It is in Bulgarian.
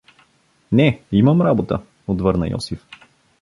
— Не, имам работа — отвърна Йосиф.